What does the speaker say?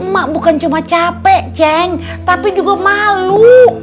mak bukan cuma capek ceng tapi juga malu